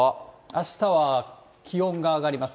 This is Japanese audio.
あしたは気温が上がります。